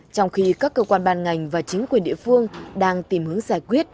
trong khi các cơ quan ban ngành và chính quyền địa phương đang tìm hướng giải quyết